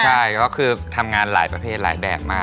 ใช่ก็คือทำงานหลายประเภทหลายแบบมา